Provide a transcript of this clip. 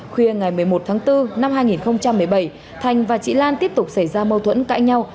khuya ngày một mươi một tháng bốn năm hai nghìn một mươi bảy thành và chị lan tiếp tục xảy ra mâu thuẫn cãi nhau